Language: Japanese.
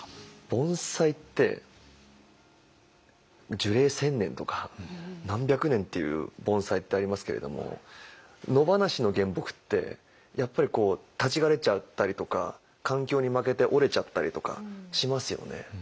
盆栽って樹齢１，０００年とか何百年っていう盆栽ってありますけれども野放しの原木ってやっぱりこう立ち枯れちゃったりとか環境に負けて折れちゃったりとかしますよね。